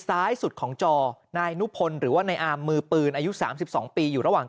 ซ้ายสุดของจอนายนุพลหรือว่านายอามมือปืนอายุ๓๒ปีอยู่ระหว่าง